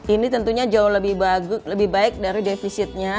ini tentunya jauh lebih baik dari defisitnya